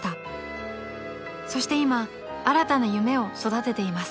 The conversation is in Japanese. ［そして今新たな夢を育てています］